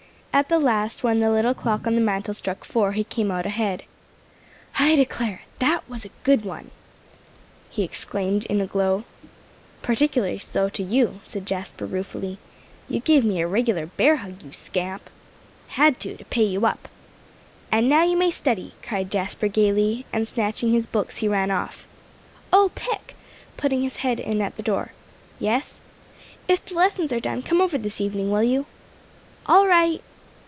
At the last, when the little clock on the mantel struck four, he came out ahead. "I declare, that was a good one," he exclaimed in a glow. "Particularly so to you," said Jasper ruefully. "You gave me a regular bear hug, you scamp." "Had to, to pay you up." "And now you may study," cried Jasper gaily; and snatching his books, he ran off. "Oh, Pick," putting his head in at the door. "Yes?" "If the lessons are done, come over this evening, will you?" "All right."